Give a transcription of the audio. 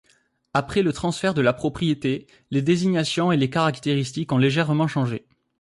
Après le transfert de la propriété, les désignations et les caractéristiques ont légèrement changé.